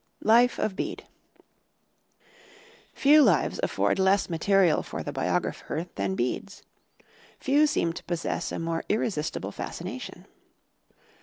LIFE OF BEDE Few lives afford less material for the biographer than Bede's; few seem to possess a more irresistible fascination.